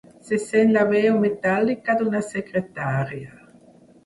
Se sent la veu metàl·lica d'una secretària.